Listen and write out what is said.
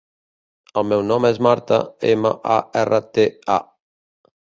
El meu nom és Marta: ema, a, erra, te, a.